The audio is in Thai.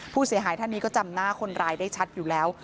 ผู้เสียหายท่านนี้ก็จำหน้าคนร้ายได้ชัดอยู่แล้ว